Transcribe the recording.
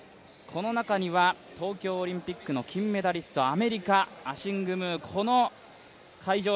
この中には東京オリンピックの金メダリスト、アメリカ、アシング・ムー、この会場